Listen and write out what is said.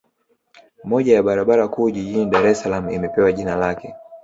Moja ya barabara kuu jijini Dar es Salaam imepewa jina lake